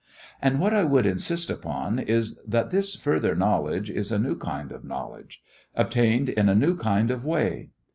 And what I would insist upon is that this further knowledge is a new kind of knowledge, obtained in a new kind of way.